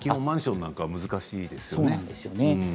マンションなんかは難しいですよね。